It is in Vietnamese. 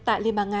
tại liên bang nga